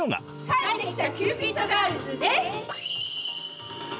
帰ってきたキューピッドガールズです！